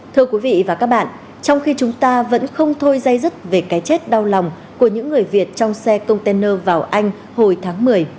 thưa quý vị và các bạn trong khi chúng ta vẫn không thôi dây dứt về cái chết đau lòng của những người việt trong xe container vào anh hồi tháng một mươi